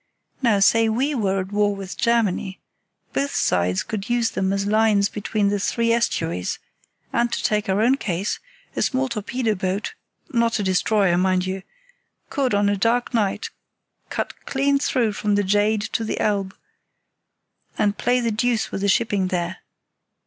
Now, say we were at war with Germany—both sides could use them as lines between the three estuaries; and to take our own case, a small torpedo boat (not a destroyer, mind you) could on a dark night cut clean through from the Jade to the Elbe and play the deuce with the shipping there.